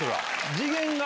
次元が。